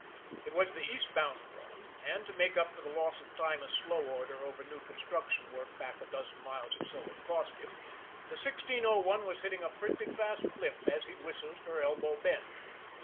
It was the eastbound run, and, to make up for the loss of time a slow order over new construction work back a dozen miles or so had cost him, the 1601 was hitting a pretty fast clip as he whistled for Elbow Bend.